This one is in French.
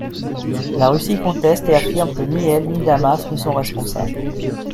La Russie conteste et affirme que ni elle, ni Damas, ne sont responsables.